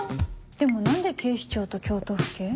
でも何で警視庁と京都府警？